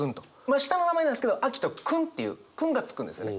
下の名前なんですけど「照史君」っていう「君」がつくんですよね。